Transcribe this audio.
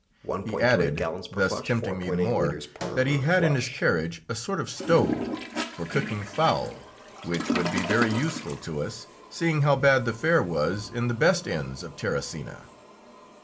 He added, thus tempting me the more, that he had in his carriage a sort of stove, for cooking fowl, which would be very useful to us, seeing how bad the fare was in the best inns of Terracina.